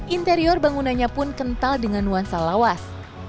interior bangunannya pun kental dengan nuansa lawas